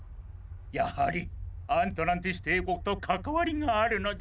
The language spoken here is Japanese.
やはりアントランティスていこくとかかわりがあるのだ。